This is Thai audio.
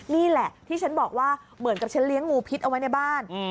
นี่แหละที่ฉันบอกว่าเหมือนกับฉันเลี้ยงงูพิษเอาไว้ในบ้าน